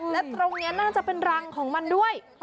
และตรงนี้น่าจะเป็นรังของมันด้วย